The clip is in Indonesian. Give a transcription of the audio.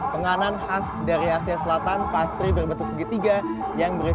penganan khas dari asia selatan pastri berbentuk segitiga yang berbeda